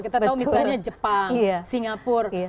kita tahu misalnya jepang singapura